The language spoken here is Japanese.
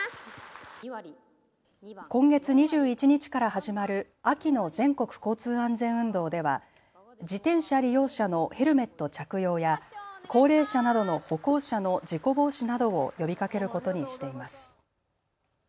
今月２１日から始まる秋の全国交通安全運動では自転車利用者のヘルメット着用や高齢者などの歩行者の事故防止などを呼びかけることにしています。